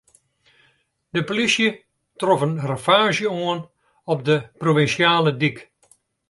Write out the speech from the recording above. De polysje trof in ravaazje oan op de provinsjale dyk.